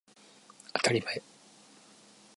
あたりまえ